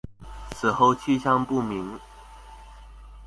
此后去向不明。